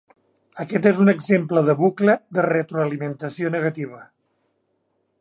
Aquest és un exemple de bucle de retroalimentació negativa.